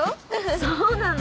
そうなの？